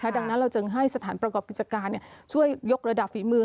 ดังนั้นเราจึงให้สถานประกอบกิจการช่วยยกระดับฝีมือ